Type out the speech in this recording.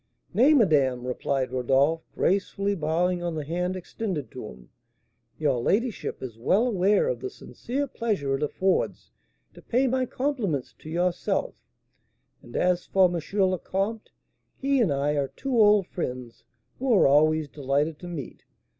"Nay, madame," replied Rodolph, gracefully bowing on the hand extended to him, "your ladyship is well aware of the sincere pleasure it affords to pay my compliments to yourself; and as for M. le Comte, he and I are two old friends, who are always delighted to meet.